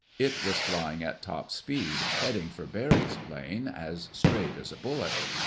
It was flying at top speed, heading for Barry's plane as straight as a bullet.